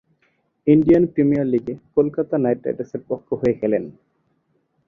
Indian premier লীগে Kolkata knight রাইডার্সের পক্ষ হয়ে খেলেন।